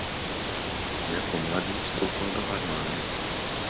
Jako mladý vstoupil do armády.